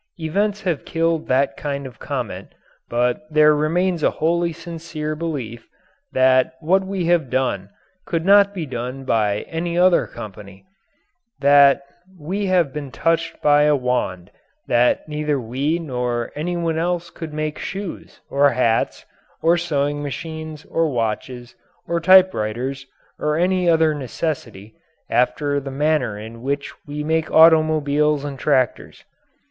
Events have killed that kind of comment, but there remains a wholly sincere belief that what we have done could not be done by any other company that we have been touched by a wand, that neither we nor any one else could make shoes, or hats, or sewing machines, or watches, or typewriters, or any other necessity after the manner in which we make automobiles and tractors.